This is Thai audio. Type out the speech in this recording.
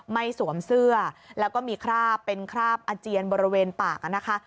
สวมเสื้อแล้วก็มีคราบเป็นคราบอาเจียนบริเวณปากนะคะ